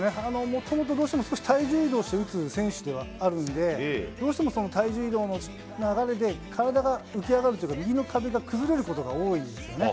もともとどうしても少し体重移動して打つ選手ではあるんで、どうしてもその体重移動の流れで、体が浮き上がるというか、右の壁が崩れることが多いんですね。